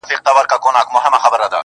راسره جانانه .